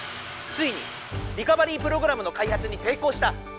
ついにリカバリープログラムのかいはつにせいこうした。